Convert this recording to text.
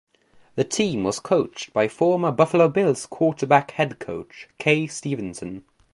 The team was coached by former Buffalo Bills quarterback-head coach Kay Stephenson.